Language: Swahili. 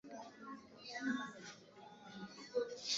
Sauti za busara ni tamasha lenye daraja la kuonesha vipaji vilivyotukuka